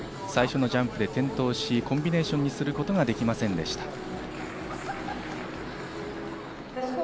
最初のジャンプで転倒し、コンビネーションにすることができませんでした。